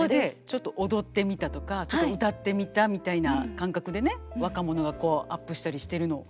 「ちょっと踊ってみた」とか「ちょっと歌ってみた」みたいな感覚でね若者がこうアップしたりしてるのを。